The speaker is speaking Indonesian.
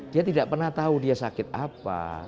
dia tidak pernah tahu dia sakit apa